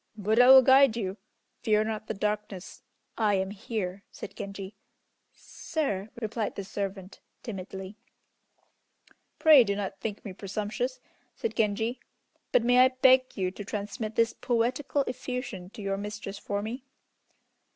"Buddha will guide you; fear not the darkness, I am here," said Genji. "Sir!" replied the servant, timidly. "Pray do not think me presumptuous," said Genji; "but may I beg you to transmit this poetical effusion to your mistress for me?